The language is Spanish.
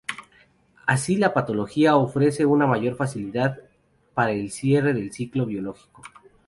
Así la patología ofrece una mayor facilidad para el cierre del ciclo biológico.